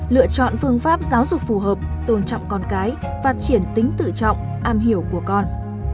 lựa chọn phương pháp giáo dục phù hợp tôn trọng con cái phát triển tính tự trọng am hiểu của con